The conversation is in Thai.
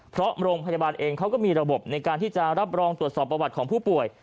เพราะโรงพยาบาลเองเขาก็มีระบบในการที่จะรับรองตรวจสอบประวัติของผู้ป่วย